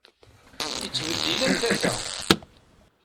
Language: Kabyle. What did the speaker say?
Ittbeddil am tata.